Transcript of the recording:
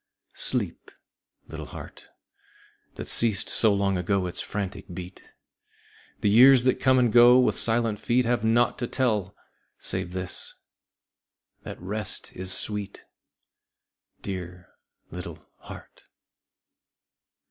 Sleep, little heart That ceased so long ago its frantic beat! The years that come and go with silent feet Have naught to tell save this that rest is sweet. Dear little heart.